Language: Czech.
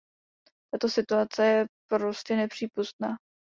Tato situace je prostě nepřípustná.